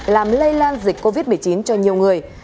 làm lây lan dịch covid một mươi chín cho nhiều người